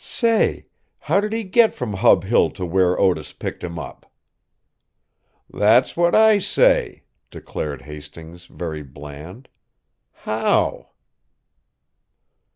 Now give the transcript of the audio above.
"Say! How did he get from Hub Hill to where Otis picked him up?" "That's what I say," declared Hastings, very bland. "How?"